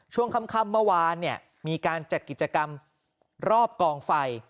ช่วงค่ำเมื่อวานเนี่ยมีการจัดกิจกรรมรอบกองไฟ